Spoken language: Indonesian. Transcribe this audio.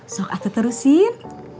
sok ata terusin